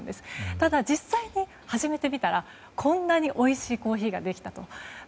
ただ、実際に初めて見たらこんなにおいしいコーヒーができたと。